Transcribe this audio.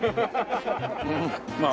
うんまあ。